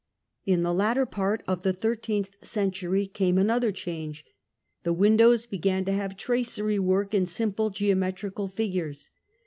In the latter part of the thirteenth century came another change. The windows b^an to have tracery work in simple geometrical figures.